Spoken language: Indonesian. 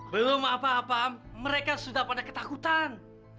belum apa apa mereka sudah pada ketakutan